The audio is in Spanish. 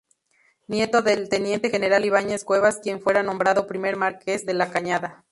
Nieto del Teniente General Ibáñez Cuevas quien fuera nombrado primer Marques de la Cañada.